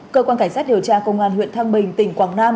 cơ quan cảnh sát điều tra công an huyện thăng bình tỉnh quảng nam